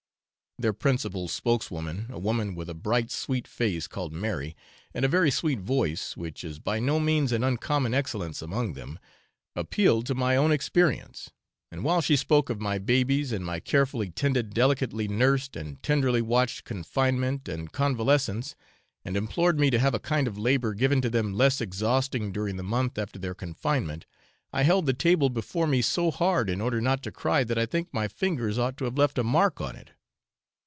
Their principal spokeswoman, a woman with a bright sweet face, called Mary, and a very sweet voice, which is by no means an uncommon excellence among them, appealed to my own experience; and while she spoke of my babies, and my carefully tended, delicately nursed, and tenderly watched confinement and convalescence, and implored me to have a kind of labour given to them less exhausting during the month after their confinement, I held the table before me so hard in order not to cry that I think my fingers ought to have left a mark on it.